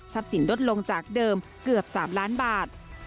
สินลดลงจากเดิมเกือบ๓ล้านบาท